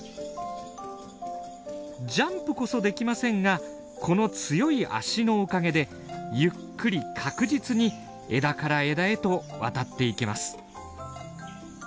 ジャンプこそできませんがこの強い足のおかげでゆっくり確実に枝から枝へと渡っていけます。